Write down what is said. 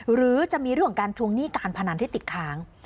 หรือจะมีเรื่องของการทวงหนี้การพนันที่ติดค้าง